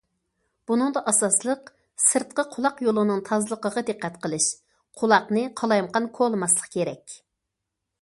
بۇنىڭدا ئاساسلىق سىرتقى قۇلاق يولىنىڭ تازىلىقىغا دىققەت قىلىش، قۇلاقنى قالايمىقان كولىماسلىق كېرەك.